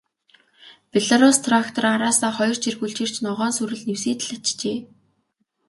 Белорусс трактор араасаа хоёр чиргүүл чирч, ногоон сүрэл нэвсийтэл ачжээ.